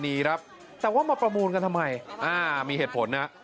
นี้ครับแต่ว่ามาประมูลกันทำไมอ่ามีเหตุผลนะ